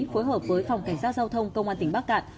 phối hợp với phòng cảnh sát giao thông công an tỉnh bắc cạn